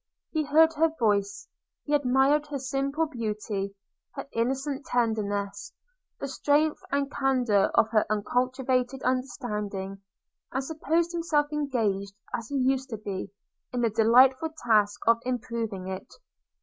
He heard her voice ~ he admired her simple beauty, her innocent tenderness, the strength and candour of her uncultivated understanding – and supposed himself engaged, as he used to be, in the delightful task of improving it.